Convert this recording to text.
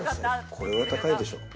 これは高いでしょ。